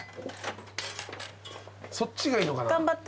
そっちがいいのかな？頑張って。